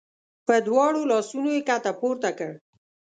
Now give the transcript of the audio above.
په دواړو لاسونو یې ښکته پورته کړ.